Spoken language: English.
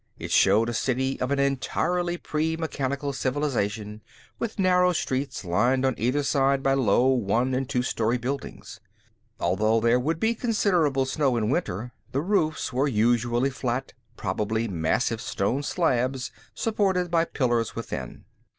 It showed a city of an entirely pre mechanical civilization, with narrow streets, lined on either side by low one and two story buildings. Although there would be considerable snow in winter, the roofs were usually flat, probably massive stone slabs supported by pillars within.